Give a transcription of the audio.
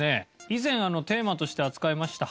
以前テーマとして扱いました